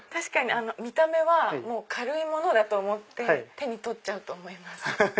見た目は軽いものだと思って手に取っちゃうと思います。